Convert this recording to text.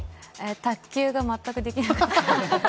卓球が全くできなかった。